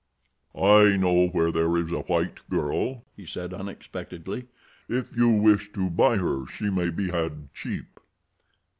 "I know where there is a white girl," he said, unexpectedly. "If you wish to buy her she may be had cheap."